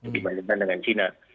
berbandingkan dengan china